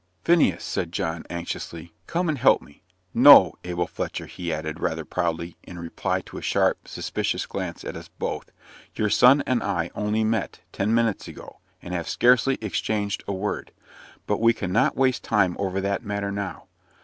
"Phineas," said John, anxiously, "come and help me. No, Abel Fletcher," he added, rather proudly, in reply to a sharp, suspicious glance at us both; "your son and I only met ten minutes ago, and have scarcely exchanged a word. But we cannot waste time over that matter now.